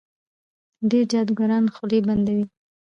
ډېر جادوګران خولې بندوي.